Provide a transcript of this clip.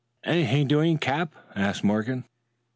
"Anything doing, Cap?" asked Morgan.